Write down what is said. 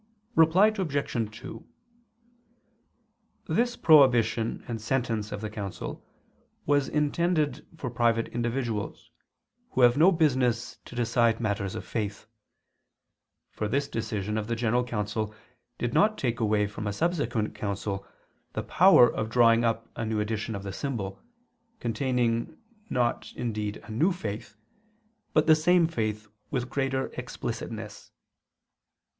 Reply Obj. 2: This prohibition and sentence of the council was intended for private individuals, who have no business to decide matters of faith: for this decision of the general council did not take away from a subsequent council the power of drawing up a new edition of the symbol, containing not indeed a new faith, but the same faith with greater explicitness.